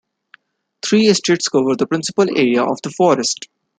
Three estates cover the principal area of the forest.